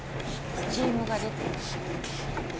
スチームが出てる？